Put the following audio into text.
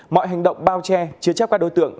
mọi hành động bao che chứa chấp các đối tượng